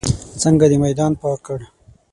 څنګه دې میدان پاک کړ.